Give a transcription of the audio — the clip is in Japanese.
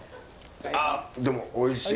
あっでもおいしい。